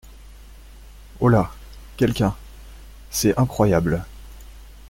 Holà !… quelqu’un !… c’est incroyable !